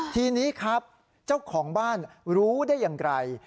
ทีนี้ครับเจ้าของบ้านรู้ได้อย่างไร